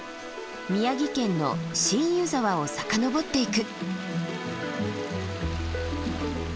宮城県の新湯沢を遡っていく。